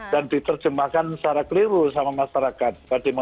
dan diterjemahkan secara keliru sama masyarakat